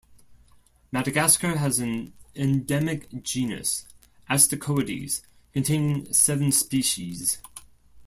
Madagascar has an endemic genus, "Astacoides", containing seven species.